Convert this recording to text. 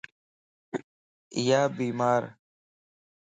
ايا بيمارَ